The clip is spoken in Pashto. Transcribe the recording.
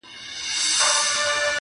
چي هر څوک سي بې عزته نوم یې ورک سي٫